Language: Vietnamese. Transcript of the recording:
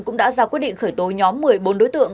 cũng đã ra quyết định khởi tố nhóm một mươi bốn đối tượng